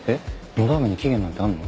のどあめに期限なんてあんの？